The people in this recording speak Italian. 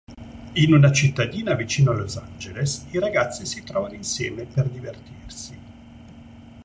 In una cittadina vicino a Los Angeles i ragazzi si trovano insieme per divertirsi.